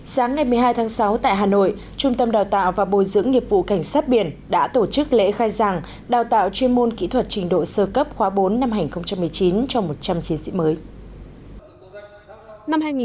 sáng ngày một mươi hai tháng sáu tại hà nội trung tâm đào tạo và bồi dưỡng nghiệp vụ cảnh sát biển đã tổ chức lễ khai giảng đào tạo chuyên môn kỹ thuật trình độ sơ cấp khóa bốn năm hai nghìn một mươi chín cho một trăm linh chiến sĩ mới